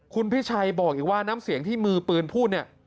คุณพิชัยบอกอีกว่าน้ำเสียงที่มือปืนพูดเนี่ย